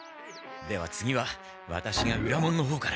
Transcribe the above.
では次はワタシが裏門の方から。